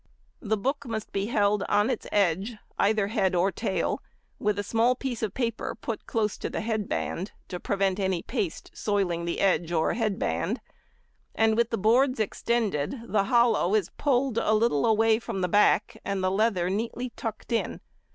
The book must be held on its edge, either head or tail, with a small piece of paper put close to the head band to prevent any paste soiling the edge or head band, and with the boards extended, the hollow is pulled a little away from the back and the leather neatly tucked in.